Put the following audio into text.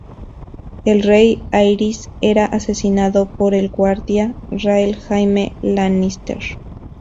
El rey Aerys era asesinado por el Guardia Real Jaime Lannister.